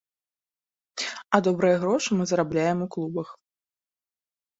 А добрыя грошы мы зарабляем у клубах.